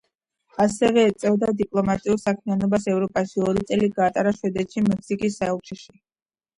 ასევე ეწეოდა დიპლომატიურ საქმიანობას ევროპაში, ორი წელი გაატარა შვედეთში მექსიკის საელჩოში.